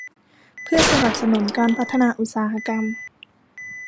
เพื่อสนับสนุนการพัฒนาอุตสาหกรรม